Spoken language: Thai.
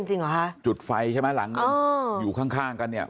จริงจริงค่ะจุดไฟใช้มาหลังอยู่ข้างกันเนี่ย